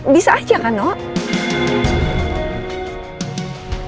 bisa aja kan noh